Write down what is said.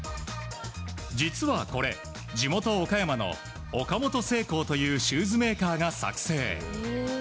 実は、これ地元・岡山の岡本製甲というシューズメーカーが作製。